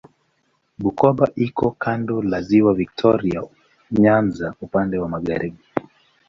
Bukoba iko kando la Ziwa Viktoria Nyanza upande wa magharibi.